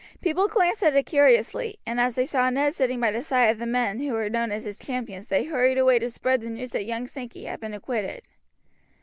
People glanced at it curiously, and as they saw Ned sitting by the side of the men who were known as his champions they hurried away to spread the news that young Sankey had been acquitted.